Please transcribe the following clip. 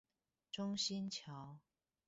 中興橋